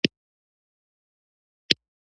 لرغونپوهان کولای شي د هغې تاریخ معلوم کړي.